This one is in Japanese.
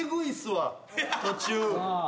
途中。